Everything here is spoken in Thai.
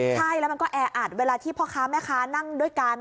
ใช่แล้วมันก็แออัดเวลาที่พ่อค้าแม่ค้านั่งด้วยกัน